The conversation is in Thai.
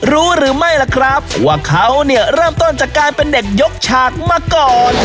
รู้หรือไม่ล่ะครับว่าเขาเนี่ยเริ่มต้นจากการเป็นเด็กยกฉากมาก่อน